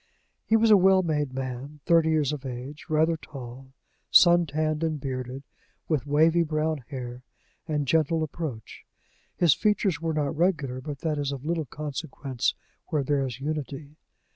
He was a well made man, thirty years of age, rather tall, sun tanned, and bearded, with wavy brown hair, and gentle approach. His features were not regular, but that is of little consequence where there is unity.